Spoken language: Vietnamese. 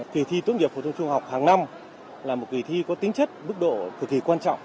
kỳ thi tốt nghiệp phổ thông trung học hàng năm là một kỳ thi có tính chất mức độ cực kỳ quan trọng